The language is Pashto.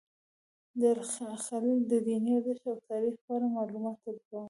د الخلیل د دیني ارزښت او تاریخ په اړه معلومات درکوم.